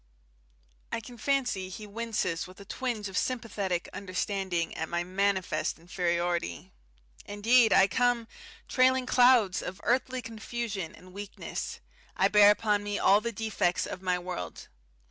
I can fancy he winces with a twinge of sympathetic understanding at my manifest inferiority. Indeed, I come, trailing clouds of earthly confusion and weakness; I bear upon me all the defects of my world.